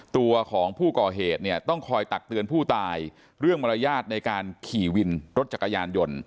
ตัวของผู้ก่อเหตุเนี่ยต้องคอยตักเตือนผู้ตายเรื่องมารยาทในการขี่วินรถจักรยานยนต์